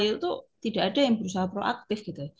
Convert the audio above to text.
itu tidak ada yang berusaha proaktif gitu